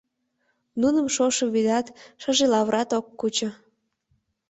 Нуным шошо вӱдат, шыже лавырат ок кучо.